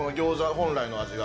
本来の味が。